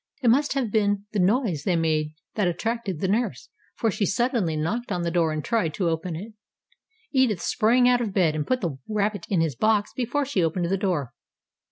It must have been the noise they made that attracted the nurse, for she suddenly knocked on the door and tried to open it. Edith sprang out of bed, and put the rabbit in his box before she opened the door.